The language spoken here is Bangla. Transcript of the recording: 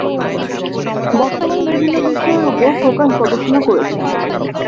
বর্তমানে বিভিন্ন বিষয়ের উপর প্রকাশ গবেষণা করছেন।